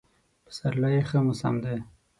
پسرلی ښه موسم دی.